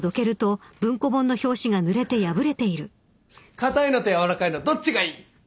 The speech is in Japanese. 硬いのと軟らかいのどっちがいい？